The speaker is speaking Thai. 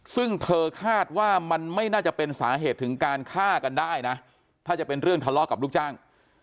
ซึ่งเธอคาดว่ามันไม่น่าจะเป็นสาเหตุถึงการฆ่ากันได้นะถ้าจะเป็นเรื่องทะเลาะกับลูกจ้าง